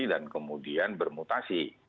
dan kemudian bermutasi